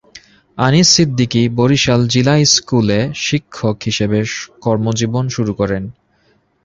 আনিস সিদ্দিকী বরিশাল জিলা স্কুলে শিক্ষক হিসেবে কর্মজীবন শুরু করেন।